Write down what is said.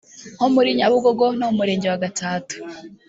nko muri Nyabugogo no mu Murenge wa Gatsata